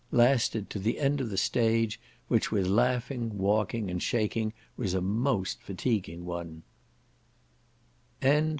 lasted to the end of the stage which with laughing, walking, and shaking, was a most fatiguing one.